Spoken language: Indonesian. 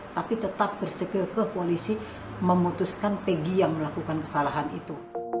tapi tetap bersekeh ke polisi memutuskan pegi yang melakukan kesalahan itu